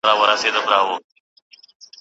خوله یې ونیول اسمان ته په نارو سو